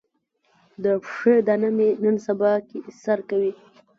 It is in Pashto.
د پښې دانه مې نن سبا کې سر کوي.